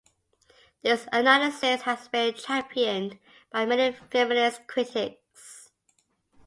This analysis has been championed by many feminist critics.